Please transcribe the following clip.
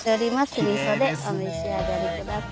酢みそでお召し上がりください